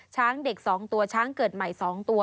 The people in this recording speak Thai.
ช้างเด็ก๒ตัวช้างเกิดใหม่๒ตัว